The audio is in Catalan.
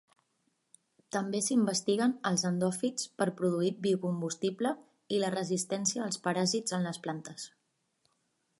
També s'investiguen els endòfits per produir biocombustible i la resistència als paràsits en les plantes.